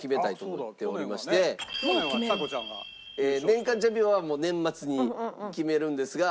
年間チャンピオンは年末に決めるんですが。